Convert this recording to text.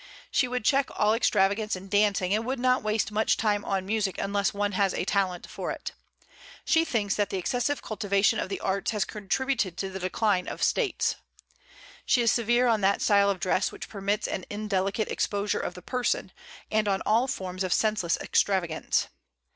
She would check all extravagance in dancing, and would not waste much time on music unless one has a talent for it. She thinks that the excessive cultivation of the arts has contributed to the decline of States. She is severe on that style of dress which permits an indelicate exposure of the person, and on all forms of senseless extravagance.